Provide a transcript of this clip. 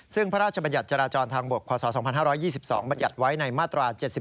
ซึ่งพระราชบัญญัติจราจรทางบกขวาศาสตร์๒๕๒๒บัญญัติไว้ในมาตรา๗๘